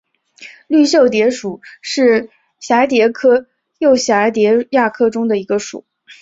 绿袖蝶属是蛱蝶科釉蛱蝶亚科中的一个属。